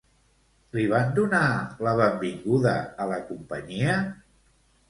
Li van donar la benvinguda a la companyia?